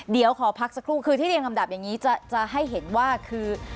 เดี๋ยวขอพักสักครู่คือที่เรียงลำดับอย่างนี้จะให้เห็นว่าคือ